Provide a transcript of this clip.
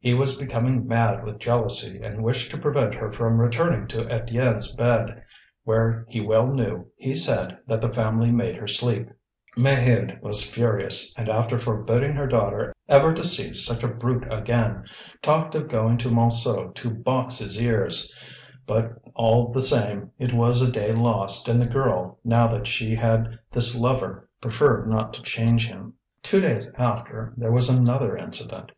He was becoming mad with jealousy, and wished to prevent her from returning to Étienne's bed, where he well knew, he said, that the family made her sleep. Maheude was furious, and, after forbidding her daughter ever to see such a brute again, talked of going to Montsou to box his ears. But, all the same, it was a day lost, and the girl, now that she had this lover, preferred not to change him. Two days after there was another incident.